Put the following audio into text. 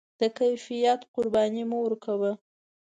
د کیفیت قرباني مه ورکوه.